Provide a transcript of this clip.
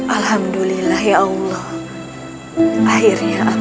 aku bisa menjaga bolta tewam